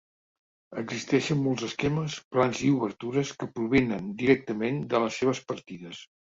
Existeixen molts esquemes, plans i obertures que provenen directament de les seves partides.